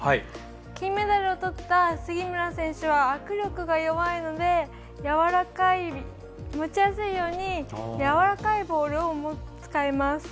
金メダルをとった杉村選手は握力が弱いので持ちやすいようにやわらかいボールを使います。